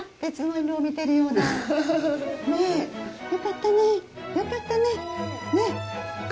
よかったねよかったねねっ。